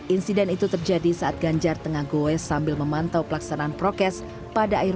insiden itu terjadi saat ganjar tengah goes sambil memantau pelaksanaan prokes pada akhir